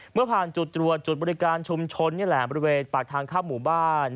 เมื่อผ่านจุดตรวจจุดบริการชุมชนนี่แหละบริเวณปากทางเข้าหมู่บ้าน